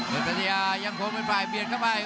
เป็นปัญญายังพวงเป็นฝ่ายเปลี่ยนเข้าไป